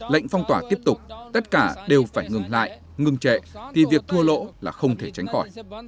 lệnh phong tỏa tiếp tục tất cả đều phải ngừng lại ngừng trệ thì việc thua lỗ là không thể tránh khỏi